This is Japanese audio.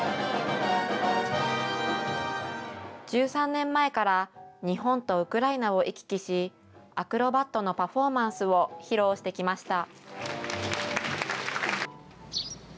１３年前から日本とウクライナを行き来し、アクロバットのパフォーマンスを披露してきました。